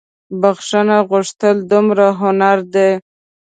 بخښنه غوښتل دمړو هنردي